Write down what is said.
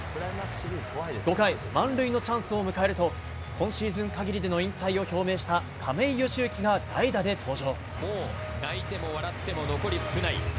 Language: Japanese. ５回、満塁のチャンスを迎えると今シーズン限りでの引退を表明した亀井善行が代打で登場。